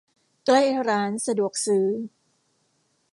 ใกล้ร้านสะดวกซื้อ